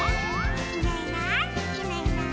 「いないいないいないいない」